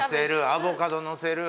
アボカドのせる